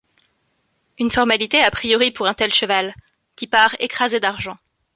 Une formalité a priori pour un tel cheval, qui part écrasé d'argent.